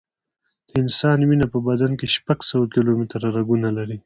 د انسان وینه په بدن کې شپږ سوه کیلومټره رګونه لري.